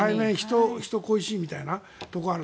人恋しいみたいなところがある。